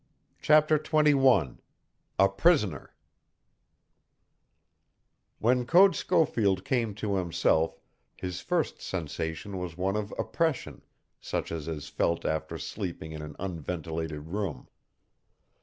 CHAPTER XXI A PRISONER When Code Schofield came to himself his first sensation was one of oppression, such as is felt after sleeping in an unventilated room.